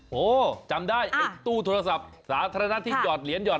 โหจำได้ไอ้ตู้โทรศัพท์สาธารณะที่หยอดเหรียญหอด